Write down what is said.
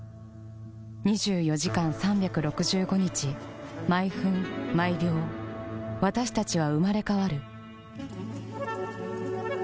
２４時間３６５日毎分毎秒私たちは生まれ変わる